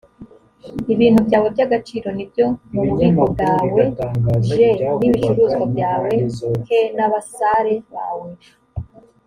ibintu byawe by agaciro n ibyo mu bubiko bwawe j n ibicuruzwa byawe k n abasare bawe